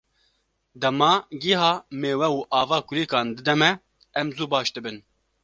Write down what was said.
Dema gîha, mêwe û ava kulîlkan dide me, em zû baş dibin.